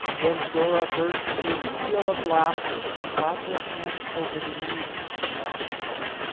Then Dora burst into a peal of laughter, and clapped her hands over the news that she had to tell.